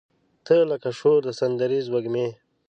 تۀ لکه شور د سندریزې وږمې